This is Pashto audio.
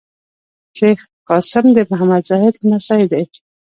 شېخ قاسم د محمد زاهد لمسی دﺉ.